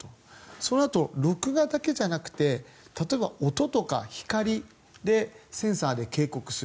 そうなると、録画だけじゃなくて例えば音とか光でセンサーで警告する。